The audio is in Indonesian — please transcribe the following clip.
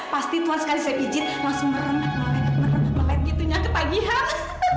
pasti tuan sekali saya pijit langsung merenak merenak merenak merenak gitu ke pagihan